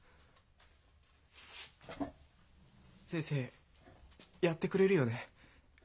先生やってくれるよね？